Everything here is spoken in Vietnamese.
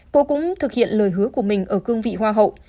cô cũng thực hiện lời hứa của mình ở cương vị hoa hậu